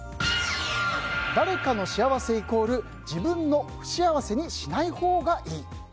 誰かの幸せイコール自分の不幸せにしないほうがいい。